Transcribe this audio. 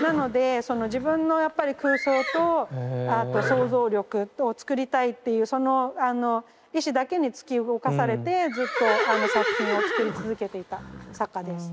なのでその自分のやっぱり空想とあと想像力と作りたいっていうその意志だけに突き動かされてずっと作品を作り続けていた作家です。